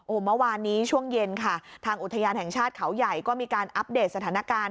เมื่อวานนี้ช่วงเย็นค่ะทางอุทยานแห่งชาติเขาใหญ่ก็มีการอัปเดตสถานการณ์